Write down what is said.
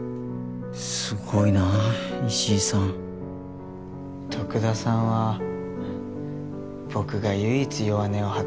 すごいなあ石井さん徳田さんは僕が唯一弱音を吐ける人です。